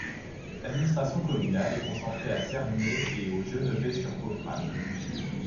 L'administration communale est concentrée à Cernier et aux Geneveys-sur-Coffrane.